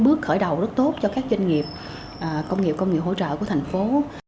bước khởi đầu rất tốt cho các doanh nghiệp công nghiệp công nghiệp hỗ trợ của thành phố